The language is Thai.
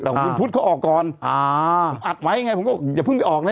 แต่คุณพุทธเขาออกก่อนอ่าผมอัดไว้ไงผมก็อย่าเพิ่งไปออกนะ